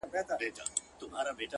• ږغ مي بدل سويدی اوس ـ